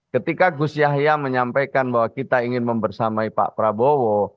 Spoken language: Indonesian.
ketika gus yahya menyampaikan bahwa kita ingin membersamai pak prabowo